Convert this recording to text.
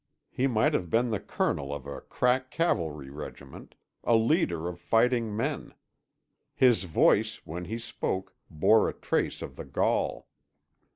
He might have been the colonel of a crack cavalry regiment—a leader of fighting men. His voice, when he spoke, bore a trace of the Gaul.